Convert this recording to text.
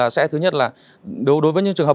sẽ thứ nhất là đối với những trường hợp